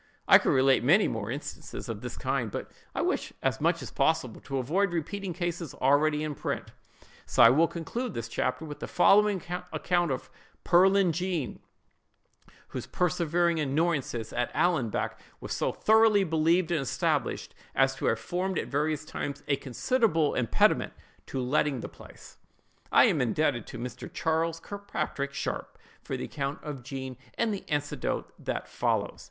I could relate many more instances of this kind, but I wish as much as possible to avoid repeating cases already in print; so I will conclude this chapter with the following account of "Pearlin Jean," whose persevering annoyances, at Allanbank, were so thoroughly believed and established, as to have formed at various times a considerable impediment to letting the place. I am indebted to Mr. Charles Kirkpatrick Sharpe for the account of Jean, and the anecdote that follows.